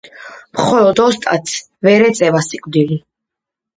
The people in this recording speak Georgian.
მხოლოდ ოსტატს ვერ ეწევა სიკვდილი